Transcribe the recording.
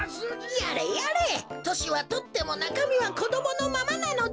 やれやれとしはとってもなかみはこどものままなのだ。